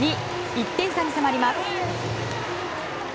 １点差に迫ります。